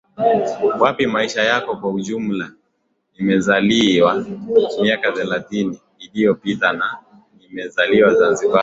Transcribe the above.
wapi maisha yako kwa ujumla Nimezaliwa miaka thelathini iliyopita na nimezaliwa Zanzibar